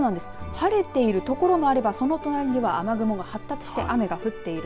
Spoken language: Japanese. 晴れている所もあればその隣では雨雲が発達して雨が降っている。